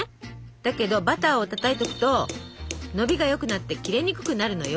だけどバターをたたいとくとのびがよくなって切れにくくなるのよ。